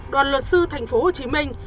đoàn luật sư tp hồ chí minh